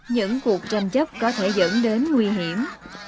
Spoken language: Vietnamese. những cuộc tranh chấp có thể dẫn đến nguy hiểm